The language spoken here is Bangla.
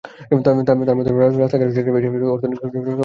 তাঁর মতে, রাস্তায় অনেক গাড়ি চলছে, এটা অর্থনৈতিক সক্ষমতারই একটি বার্তা।